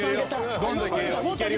どんどん行けるよ。